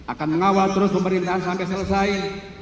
akan mengawal terus pemerintahan sampai selesai